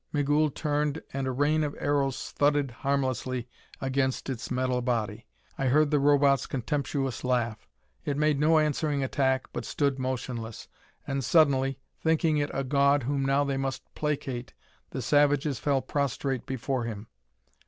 Migul turned, and a rain of arrows thudded harmlessly against its metal body. I heard the Robot's contemptuous laugh. It made no answering attack, but stood motionless. And suddenly, thinking it a god whom now they must placate, the savages fell prostrate before him.